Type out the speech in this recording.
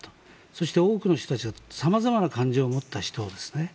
そして、多くの人たち様々な感情を持った人ですね